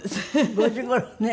５時頃ね。